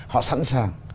họ sẵn sàng